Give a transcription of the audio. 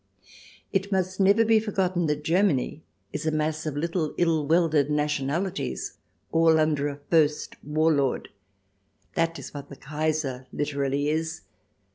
It must never be forgotten that Germany is a mass of little, ill welded nationalities, all under a First War Lord. That is what the Kaiser literally is.